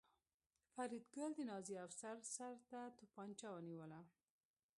فریدګل د نازي افسر سر ته توپانچه ونیوله